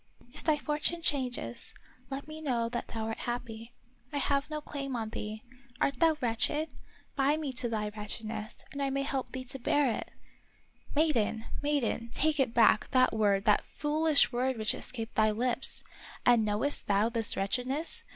" If thy fortune changes, let me know that thou art happy. I have no claim on thee. Art thou wretched.^ bind me to thy wretchedness, that I may help thee to bear it." " Maiden ! maiden ! take it back, that word, that foolish word which escaped thy lips. And knowest thou this wretchedness